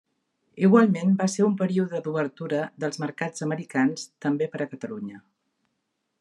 Igualment va ser un període d'obertura dels mercats americans també per a Catalunya.